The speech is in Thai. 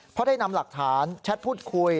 เพราะได้นำหลักฐานแชทพูดคุย